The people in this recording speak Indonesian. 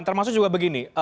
termasuk juga begini